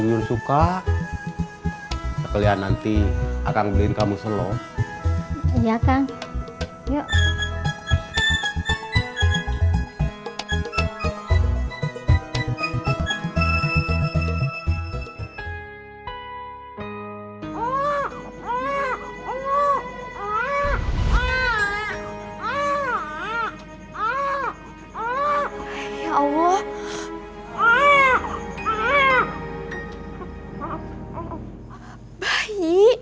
kamu suka kelihatan nanti akan beliin kamu selo ya kang ya ya allah